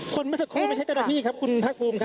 เมื่อสักครู่ไม่ใช่เจ้าหน้าที่ครับคุณภาคภูมิครับ